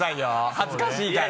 恥ずかしいから。